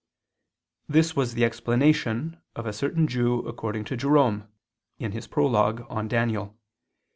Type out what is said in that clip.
This was the explanation of a certain Jew according to Jerome (Prolog. super Daniel.)